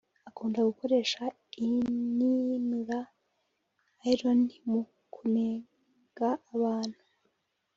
Akunda gukoresha ininura (irony) mu kunenga abantu